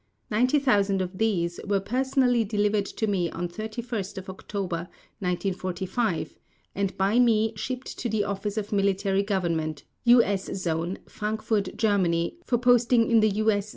Ninety thousand of these were personally delivered to me on 31 October 1945, and by me shipped to the Office of Military Government, U.S. Zone, Frankfurt, Germany, for posting in the U.S.